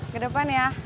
ke depan ya